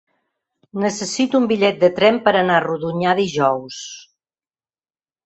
Necessito un bitllet de tren per anar a Rodonyà dijous.